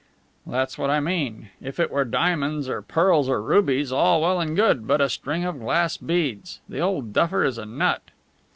"That's what I mean. If it were diamonds or pearls or rubies, all well and good. But a string of glass beads! The old duffer is a nut!"